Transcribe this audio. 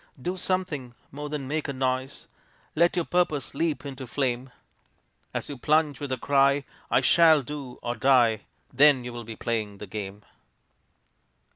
Do something more than make a noise; Let your purpose leap into flame As you plunge with a cry, "I shall do or die," Then you will be playing the game.